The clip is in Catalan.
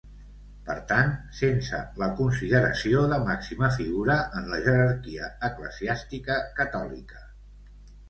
Per tant, sense la consideració de màxima figura en la jerarquia eclesiàstica catòlica.